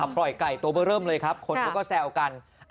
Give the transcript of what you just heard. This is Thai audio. ปล่อยไก่ตัวเบอร์เริ่มเลยครับคนเขาก็แซวกัน